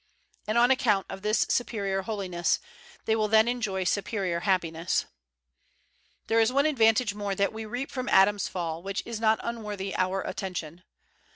And on account of this superior holi ness they will then enjoy superior happiness. There is one advantage more that we reap from Adam's fall, which is not unworthy our attention.